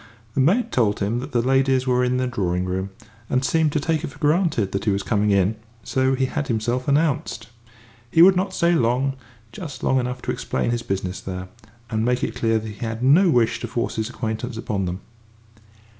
The maid told him that the ladies were in the drawing room, and seemed to take it for granted that he was coming in, so he had himself announced. He would not stay long just long enough to explain his business there, and make it clear that he had no wish to force his acquaintance upon them.